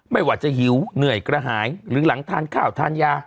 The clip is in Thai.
ไม่ว่าจะหิวเหนื่อยกระหายหรือหลังทานข้าวทานยา